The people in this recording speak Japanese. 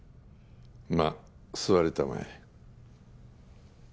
まあ座りたまえ。